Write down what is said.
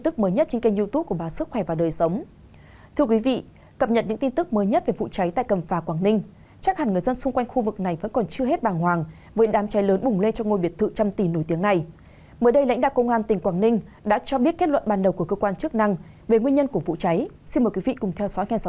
các bạn hãy đăng ký kênh để ủng hộ kênh của chúng mình nhé